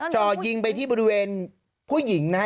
จ่อยิงไปที่บริเวณผู้หญิงนะฮะ